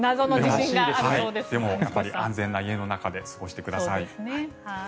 でも、安全な家の中で過ごしてください。